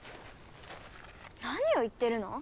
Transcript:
何を言ってるの？